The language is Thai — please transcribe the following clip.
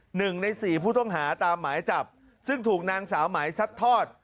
หนึ่งในสี่ผู้ต้องหาตามหมายจับซึ่งถูกนางสาวหมายซัดทอด